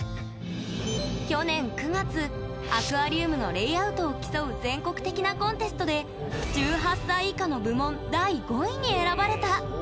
去年９月アクアリウムのレイアウトを競う全国的なコンテストで１８歳以下の部門第５位に選ばれた。